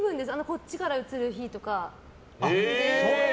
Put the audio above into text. こっちから映る日とか。